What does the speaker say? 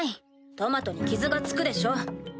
トマトに傷が付くでしょ。